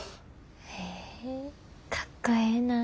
へえかっこええなぁ。